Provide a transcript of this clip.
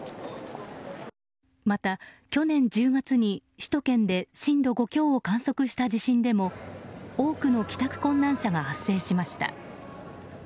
また、去年１０月に首都圏で震度５強を観測した地震でも多くの帰宅困難者が発生しました。